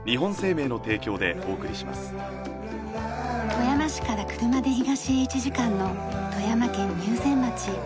富山市から車で東へ１時間の富山県入善町。